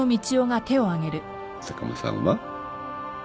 坂間さんは？